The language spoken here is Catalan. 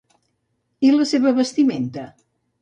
I la seva vestimenta?